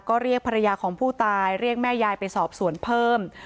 ก็เรียกภรรยาของผู้ตายเรียกแม่ยายไปสอบสวนเพิ่ม